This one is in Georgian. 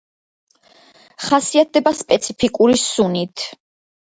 ხასიათდება სპეციფიკური სუნით.